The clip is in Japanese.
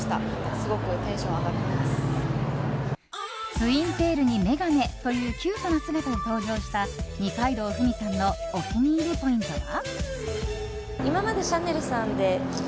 ツインテールに眼鏡というキュートな姿で登場した二階堂ふみさんのお気に入りポイントは？